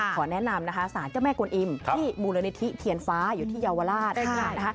ขอแนะนำนะคะสารเจ้าแม่กวนอิมที่มูลนิธิเทียนฟ้าอยู่ที่เยาวราชนะคะ